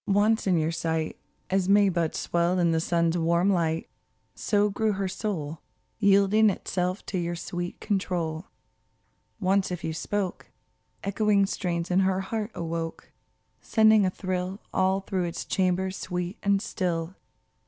Once in your sight, As May buds swell in the sun's warm light, So grew her soul, Yielding itself to your sweet control. Once if you spoke, Echoing strains in her heart awoke, Sending a thrill All through its chambers sweet and still.